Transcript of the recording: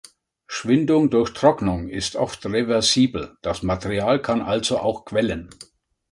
Schwindung durch Trocknung ist oft reversibel, das Material kann also auch Quellen.